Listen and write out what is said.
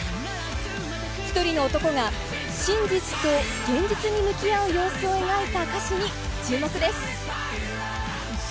１人の男が真実と現実に向き合う様子を描いた歌詞に注目です。